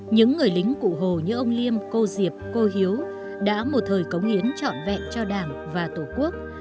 những người lính cụ hồ như ông liêm cô diệp cô hiếu đã một thời cống hiến trọn vẹn cho đảng và tổ quốc